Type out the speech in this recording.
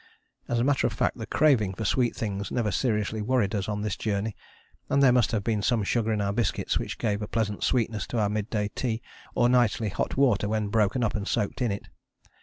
As a matter of fact the craving for sweet things never seriously worried us on this journey, and there must have been some sugar in our biscuits which gave a pleasant sweetness to our mid day tea or nightly hot water when broken up and soaked in it.